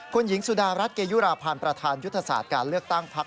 คุณหญิงสุดารัฐเกยุราพันธ์ประธานยุทธศาสตร์การเลือกตั้งพัก